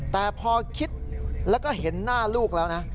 แต่พอคิดแล้วก็เห็นหน้าลูกแล้วนะ